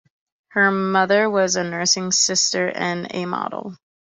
Her mother was a nursing sister and a model.